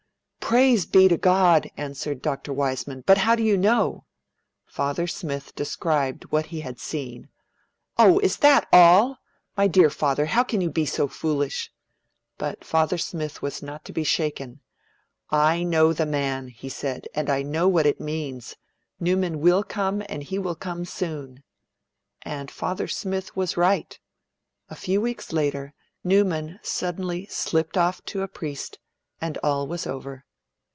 Praise be to God!' answered Dr Wiseman. 'But how do you know?' Father Smith described what he had seen. 'Oh, is that all? My dear father, how can you be so foolish?' But Father Smith was not to be shaken. 'I know the man,' he said, and I know what it means. 'Newman will come, and he will come soon.' And Father Smith was right. A few weeks later, Newman suddenly slipped off to a priest, and all was over.